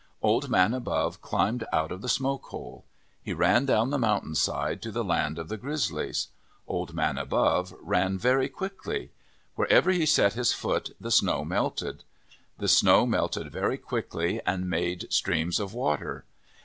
Old Man Above climbed out of the smoke hole. He ran down the mountain side to the land of the Grizzlies. Old Man Above ran very quickly. Wherever he set his foot the snow melted. The snow melted very quickly and made streams of water.